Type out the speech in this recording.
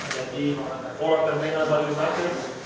jadi orang orang yang pernah balik nanti